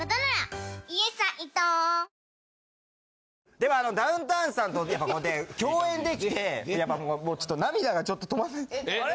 でもダウンタウンさんとやっぱこうやって共演できてやっぱもうちょっと涙がちょっと止まんない。